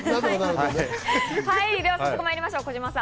では早速参りましょう、児嶋さん。